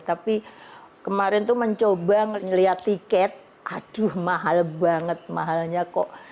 tapi kemarin tuh mencoba melihat tiket aduh mahal banget mahalnya kok